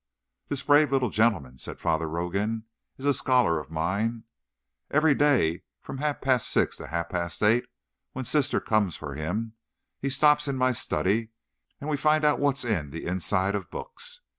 "This brave little gentleman," said Father Rogan, "is a scholar of mine. Every day from half past six to half past eight—when sister comes for him—he stops in my study, and we find out what's in the inside of books.